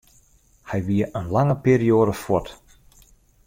Hy wie in lange perioade fuort.